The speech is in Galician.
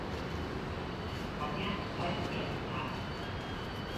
Mañá vaise presentar.